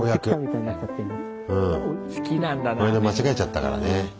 この間間違えちゃったからね。